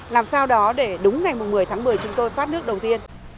làm sao đó để đúng ngày một mươi tháng một mươi chúng tôi phát nước đầu tiên